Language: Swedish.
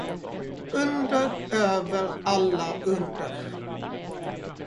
Under över alla under.